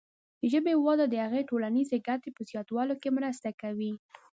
د ژبې وده د هغې د ټولنیزې ګټې په زیاتولو کې مرسته کوي.